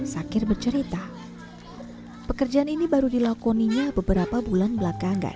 sakir bercerita pekerjaan ini baru dilakoninya beberapa bulan belakangan